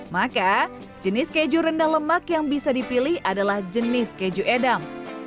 maka jenis keju rendah lemak yang bisa dipilih adalah jenis keju edam